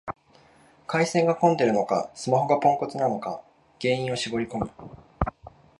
回線が混んでるのか、スマホがポンコツなのか原因を絞りこむ